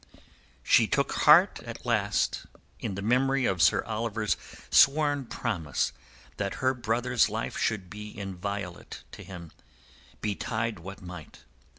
She took heart at last in the memory of Sir Oliver's sworn promise that her brother's life should be inviolate to him, betide what might.